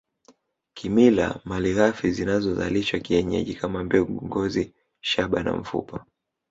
Kimila malighafi zinazozalishwa kienyeji kama mbegu ngozi shaba na mfupa